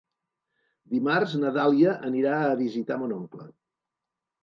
Dimarts na Dàlia anirà a visitar mon oncle.